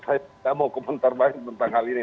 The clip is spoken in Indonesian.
saya tidak mau komentar banyak tentang hal ini